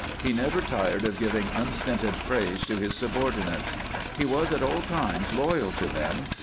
He never tired of giving unstinted praise to his subordinates. He was at all times loyal to them.